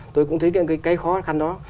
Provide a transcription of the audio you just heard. tôi cũng thấy cái khó khăn đó